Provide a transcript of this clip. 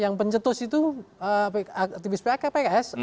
yang pencetus itu aktivis pks